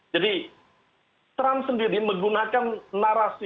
jadi trump sendiri menggunakan narasi